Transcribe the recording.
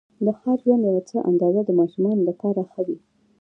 د ښار ژوند یوه څه اندازه د ماشومانو لپاره ښه وې.